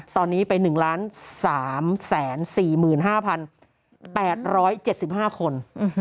ตอนนี้ไป๑๓๔๕๘๗๕คน